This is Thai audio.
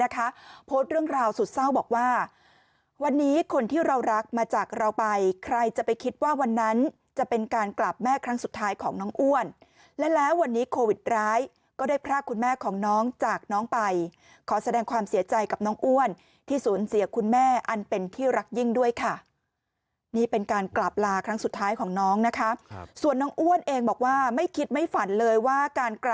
โพสต์เรื่องราวสุดเศร้าบอกว่าวันนี้คนที่เรารักมาจากเราไปใครจะไปคิดว่าวันนั้นจะเป็นการกลับแม่ครั้งสุดท้ายของน้องอ้วนและแล้ววันนี้โควิดร้ายก็ได้พรากคุณแม่ของน้องจากน้องไปขอแสดงความเสียใจกับน้องอ้วนที่สูญเสียคุณแม่อันเป็นที่รักยิ่งด้วยค่ะนี่เป็นการกลับลาครั้งสุดท้ายของน้องนะคะส่วนน้องอ้วนเองบอกว่าไม่คิดไม่ฝันเลยว่าการก